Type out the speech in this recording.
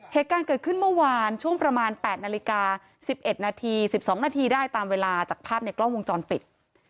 เหตุการณ์เกิดขึ้นเมื่อวานช่วงประมาณ๘นาฬิกา๑๑นาที๑๒นาทีได้ตามเวลาจากภาพในกล้องวงจรปิด